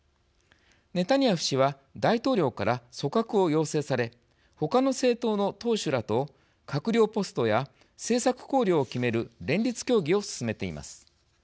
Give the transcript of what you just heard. ネタニヤフ氏は大統領から組閣を要請され他の政党の党首らと閣僚ポストや政策綱領を決める連立協議を進めています。